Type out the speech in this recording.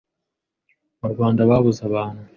mu Rwanda babuza abantu